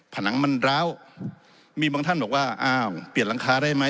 ผนังมันร้าวมีบางท่านบอกว่าอ้าวเปลี่ยนหลังคาได้ไหม